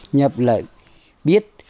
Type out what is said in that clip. nhập lời biết